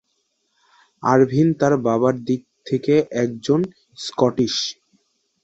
Ervine তার বাবার দিক থেকে একজন স্কটিশ।